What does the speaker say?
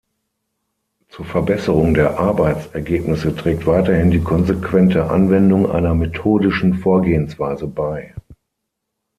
Zur Verbesserung der Arbeitsergebnisse trägt weiterhin die konsequente Anwendung einer methodischen Vorgehensweise bei.